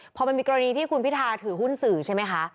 พอมันมีกรณีที่คุณพิธาถือหุ้นสื่อใช่ไหมคะ